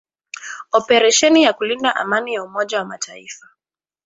operesheni ya kulinda Amani ya Umoja wa mataifa